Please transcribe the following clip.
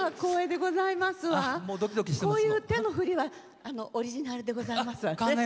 こういう手の振りはオリジナルでございますわね？